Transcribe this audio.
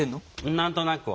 何となくは。